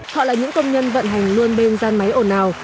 họ là những công nhân vận hành luôn bên gian máy ổn nào